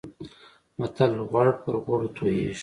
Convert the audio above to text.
متل: غوړ پر غوړو تويېږي.